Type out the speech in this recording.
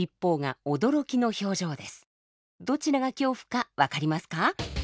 どちらが恐怖か分かりますか？